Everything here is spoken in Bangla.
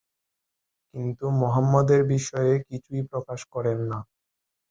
কিন্তু মোহাম্মদের বিষয়ে কিছুই প্রকাশ করেন না।